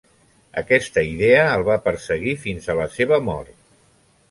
Aquesta idea el va perseguir fins a la seva mort.